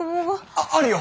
ああるよ！